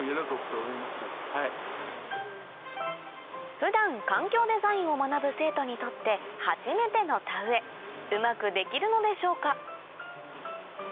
普段環境デザインを学ぶ生徒にとって初めての田植えうまくできるのでしょうか？